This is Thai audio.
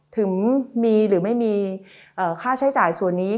ถึงมีหรือไม่มีค่าใช้จ่ายส่วนนี้